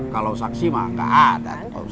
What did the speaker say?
kalau saksi mah nggak ada